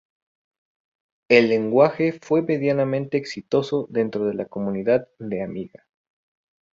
El lenguaje fue medianamente exitoso dentro la comunidad de Amiga.